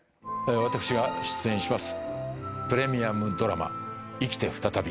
私が出演します